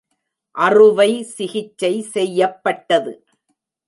அறுவை சிகிச்சை செய்யப்பட்டது.